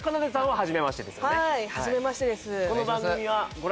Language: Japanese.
はいはじめましてです